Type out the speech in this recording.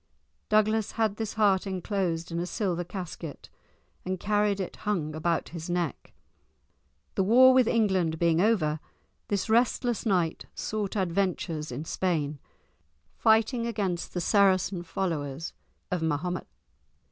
Douglas had this heart enclosed in a silver casket and carried it hung about his neck. The war with England being over, this restless knight sought adventures in Spain, fighting against the Saracen followers of Mahomet.